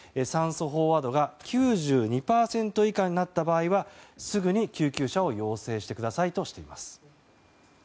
酸素飽和度が９２％以下になった場合はすぐに救急車を要請してくださいとしています。